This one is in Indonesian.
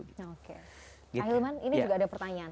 ahilman ini juga ada pertanyaan